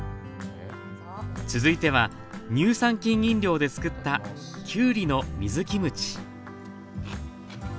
続いては乳酸菌飲料でつくったきゅうりの水キムチ